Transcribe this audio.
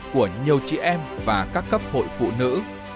của nhiều chị em và các cấp hội phụ nữ